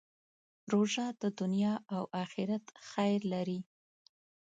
روژه د دنیا او آخرت خیر لري.